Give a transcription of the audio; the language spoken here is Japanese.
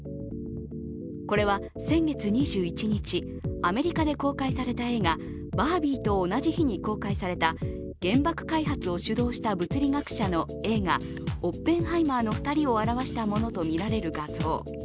これは先月２１日、アメリカで公開された映画「バービー」と同じ日に公開された原爆開発を主導した物理学者の映画「オッペンハイマー」の２人を表したものと見られる画像。